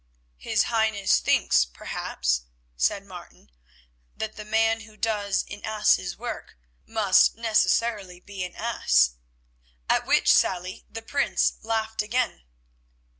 "His Highness thinks perhaps," said Martin, "that the man who does an ass's work must necessarily be an ass," at which sally the Prince laughed again.